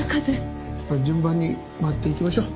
順番に回っていきましょう。